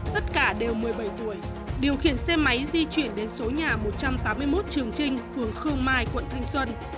tất cả đều một mươi bảy tuổi điều khiển xe máy di chuyển đến số nhà một trăm tám mươi một trường trinh phường khương mai quận thanh xuân